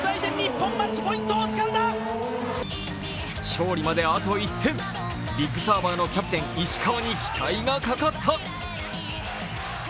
勝利まであと１点、ビッグサーバーのキャプテン・石川に期待がかかった。